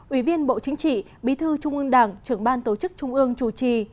ủy viên bộ chính trị bí thư trung ương đảng trưởng ban tổ chức trung ương chủ trì